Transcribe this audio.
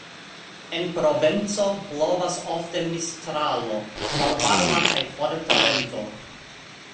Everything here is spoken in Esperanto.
En Provenco blovas ofte Mistralo, malvarma kaj forta vento.